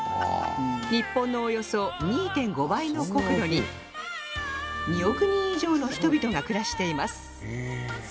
日本のおよそ ２．５ 倍の国土に２億人以上の人々が暮らしています